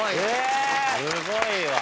すごいわ。